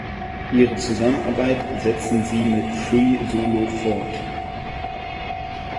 Ihre Zusammenarbeit setzten sie mit "Free Solo" fort.